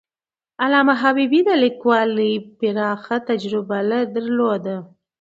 علامه حبيبي د لیکوالۍ پراخه تجربه درلوده.